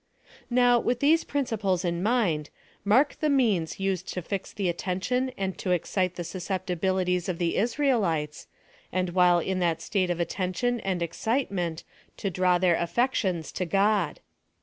Now, with these principles in mind, mark the means used to fix the attention and to excite the susceptibilities of the Israelites, and while in that state of attention and excitement, to draw their af fections to God.